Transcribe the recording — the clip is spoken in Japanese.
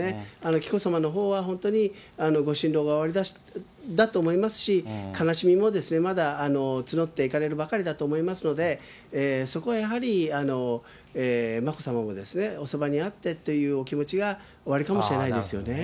紀子さまのほうは、本当にご心労がおありだと思いますし、悲しみもまだ募っていかれるばかりだと思いますので、そこはやはり眞子さまもおそばにあってというお気持ちがおありかもしれないですよね。